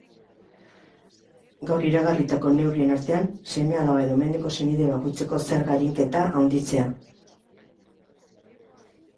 Gaur iragarritako neurrien artean, seme-alaba edo mendeko senide bakoitzeko zerga-arinketa handitzea.